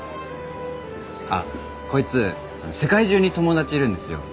あっこいつ世界中に友達いるんですよ。